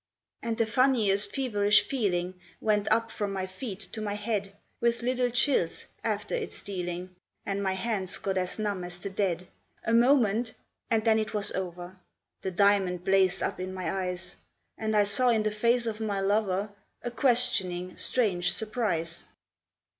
And the funniest feverish feeling Went up from my feet to my head, With little chills after it stealing And my hands got as numb as the dead. A moment, and then it was over: The diamond blazed up in my eyes, And I saw in the face of my lover A questioning, strange surprise.